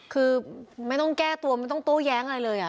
คือไม่ต้องแก้ตัวไม่ต้องโต้แย้งอะไรเลย